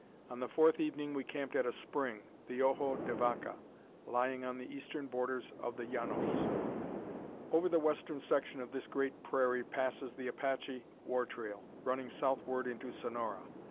On the fourth evening we camped at a spring, the Ojo de Vaca, lying on the eastern borders of the Llanos. Over the western section of this great prairie passes the Apache war trail, running southward into Sonora.